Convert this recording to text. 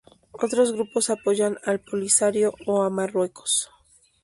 Otros grupos apoyan al Polisario o a Marruecos.